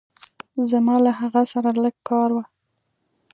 زما له هغه سره لږ کار وه.